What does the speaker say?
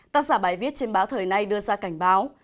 tác giả bài viết trên báo thời nay đưa ra cảnh báo